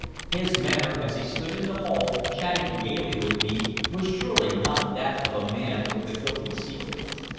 His manner as he stood in the hall chatting gayly with me was surely not that of a man with a guilty secret.